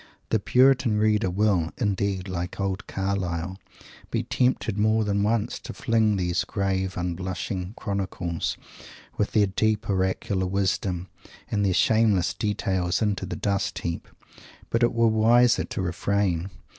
The puritan reader will, indeed, like old Carlyle, be tempted more than once to fling these grave, unblushing chronicles, with their deep, oracular wisdom and their shameless details, into the dust heap. But it were wiser to refrain.